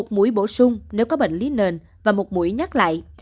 một mũi bổ sung nếu có bệnh lý nền và một mũi nhắc lại